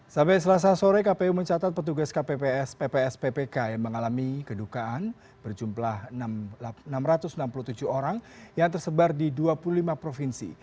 sampai selasa sore kpu mencatat petugas kpps pps ppk yang mengalami kedukaan berjumlah enam ratus enam puluh tujuh orang yang tersebar di dua puluh lima provinsi